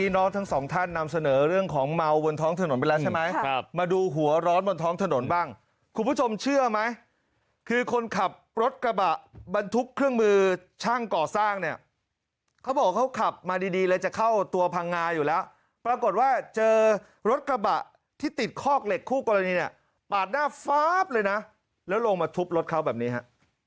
ทั้งสองท่านนำเสนอเรื่องของเมาบนท้องถนนไปแล้วใช่ไหมครับมาดูหัวร้อนบนท้องถนนบ้างคุณผู้ชมเชื่อไหมคือคนขับรถกระบะบรรทุกเครื่องมือช่างก่อสร้างเนี่ยเขาบอกเขาขับมาดีดีเลยจะเข้าตัวพังงาอยู่แล้วปรากฏว่าเจอรถกระบะที่ติดคอกเหล็กคู่กรณีเนี่ยปาดหน้าฟ้าบเลยนะแล้วลงมาทุบรถเขาแบบนี้ฮะ